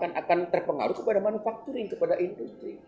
dan akan terpengaruh kepada manufakturing kepada industri